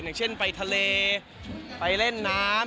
อย่างเช่นไปทะเลไปเล่นน้ำ